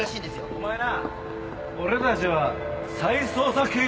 お前な俺たちは再捜査刑事だぞ！